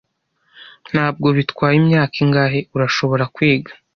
Ntabwo bitwaye imyaka ingahe, urashobora kwiga.